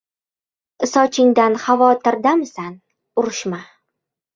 • Sochingdan xavotirdamisan — urushma.